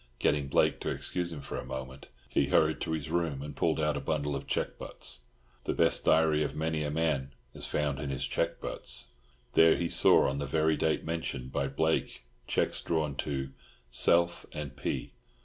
Getting Blake to excuse him for a moment, he hurried to his room and pulled out a bundle of cheque butts. The best diary of many a man is found in his cheque butts. There he saw on the very date mentioned by Blake, cheques drawn to "Self and P."